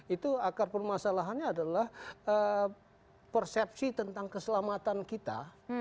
itu akar permasalahannya adalah persepsi tentang keselamatan kita